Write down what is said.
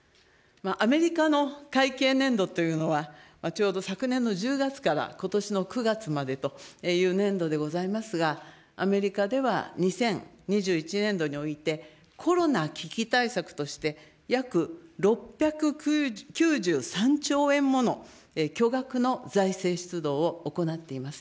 アメリカの会計年度というのは、ちょうど昨年の１０月からことしの９月までという年度でございますが、アメリカでは２０２１年度において、コロナ危機対策として、約６９３兆円もの巨額の財政出動を行っています。